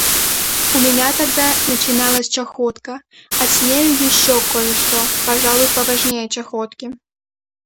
У меня тогда начиналась чахотка, а с нею еще кое-что, пожалуй, поважнее чахотки.